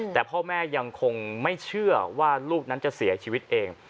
แต่พ่อแม่ยังคงไม่เชื่อว่าลูกนั้นจะเสียชีวิตเอง